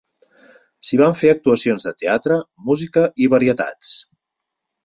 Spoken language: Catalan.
S'hi van fer actuacions de teatre, música i varietats.